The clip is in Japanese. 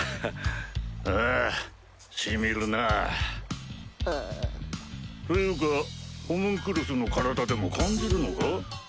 ああ染みるな。というかホムンクルスの体でも感じるのか？